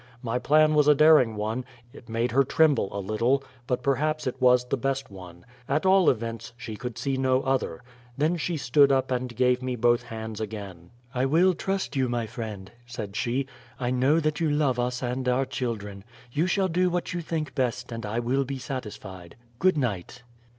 My plan was a daring one; it made her tremble a little, but perhaps it was the best one; at all events, she could see no other. Then she stood up and gave me both hands again. "I will trust you, my friend," said she. "I know that you love us and our children. You shall do what you think best and I will be satisfied. Good night."